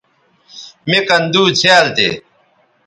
مِ کن دُو څھیال تھے